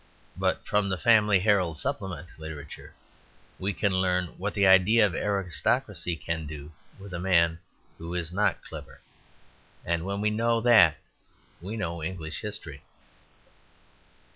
But from the Family Herald Supplement literature we can learn what the idea of aristocracy can do with a man who is not clever. And when we know that we know English history.